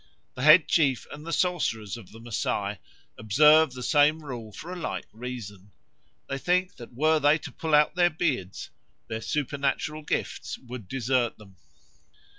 The head chief and the sorcerers of the Masai observe the same rule for a like reason: they think that were they to pull out their beards, their supernatural gifts would desert them.